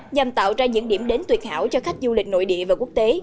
nhằm tạo ra những điểm đến tuyệt hảo cho khách du lịch nội địa và quốc tế